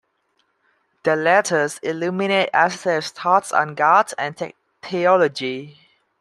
The letters illuminate Astell's thoughts on God and theology.